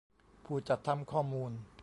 ผู้จัดทำข้อมูล